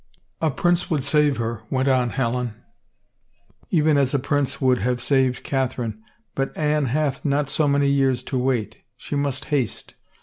A prince would save her," went on Helen, " even as a prince would have saved Catherine. But Anne hath not so many years to wait. She must haste.